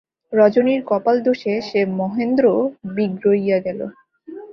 রজনীর কপালদোষে সে মহেন্দ্রও বিগড়ইয়া গেল।